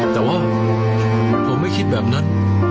แต่ว่าผมไม่คิดแบบนั้น